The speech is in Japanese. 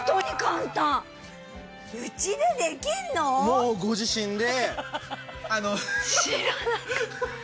もうご自身で。